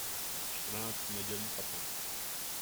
Čtrnáct nedělí patnáct.